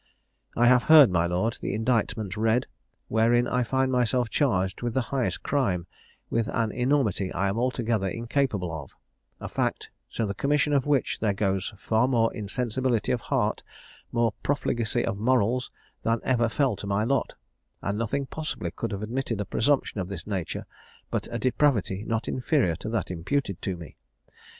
"I have heard, my lord, the indictment read, wherein I find myself charged with the highest crime, with an enormity I am altogether incapable of; a fact, to the commission of which there goes far more insensibility of heart, more profligacy of morals, than ever fell to my lot; and nothing possibly could have admitted a presumption of this nature but a depravity not inferior to that imputed to me.